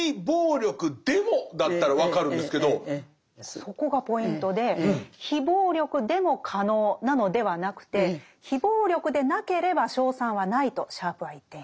そこがポイントで非暴力でも可能なのではなくて非暴力でなければ勝算はないとシャープは言っています。